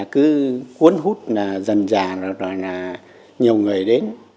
cứ cuốn hút là dần dàng rồi là nhiều người đến